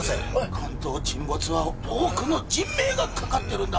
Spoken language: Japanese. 関東沈没は多くの人命がかかってるんだ